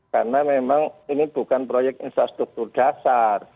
karena memang ini bukan proyek infrastruktur dasar